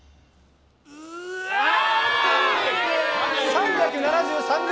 ３７３ｇ。